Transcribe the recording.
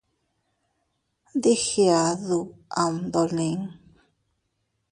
Dii giadu ama dolin.